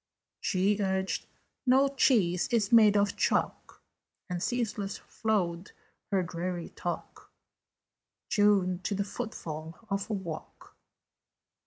She urged "No cheese is made of chalk": And ceaseless flowed her dreary talk, Tuned to the footfall of a walk.